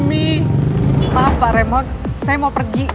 maaf pak raymond saya mau pergi